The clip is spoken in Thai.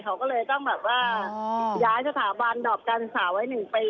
เขาก็เลยต้องแบบว่าย้ายสถาบันดอบการศึกษาไว้๑ปี